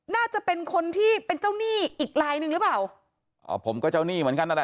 น่าจะเป็นคนที่เป็นเจ้าหนี้อีกลายหนึ่งหรือเปล่าอ๋อผมก็เจ้าหนี้เหมือนกันนั่นแหละ